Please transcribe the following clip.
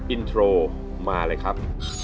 อินโทรมาเลยครับ